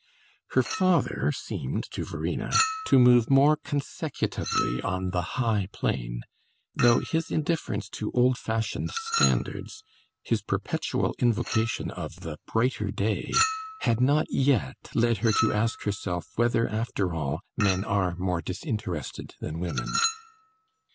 Her father seemed to Verena to move more consecutively on the high plane; though his indifference to old fashioned standards, his perpetual invocation of the brighter day, had not yet led her to ask herself whether, after all, men are more disinterested than women.